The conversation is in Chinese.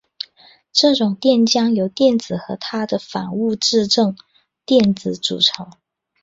这种电浆由电子和它的反物质正电子组成。